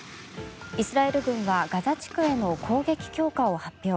イスラエル軍はガザ地区への攻撃強化を発表。